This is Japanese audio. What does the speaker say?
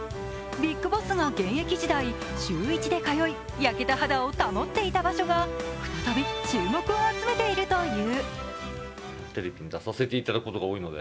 ビッグボスが現役時代週１で通い、焼けた肌を保っていた場所が再び注目を集めているという。